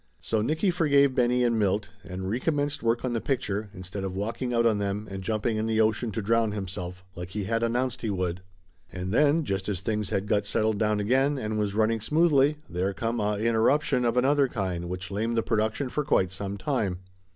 So Nicky forgave Benny and Milt, and recommenced work on the picture in stead of walking out on them and jumping in the ocean to drown himself, like he had announced he would. And then, just as things had got settled down again and was running smoothly, there come a interruption of another kind which lamed the production for quite some time.